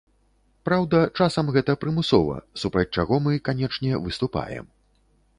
Праўда, часам гэта прымусова, супраць чаго мы, канечне, выступаем.